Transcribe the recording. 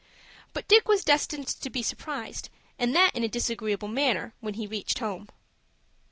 But Dick was destined to be surprised, and that in a disagreeable manner, when he reached home.